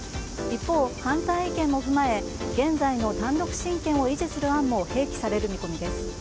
一方、反対意見も踏まえ現在の単独親権を維持する案も併記される見込みです。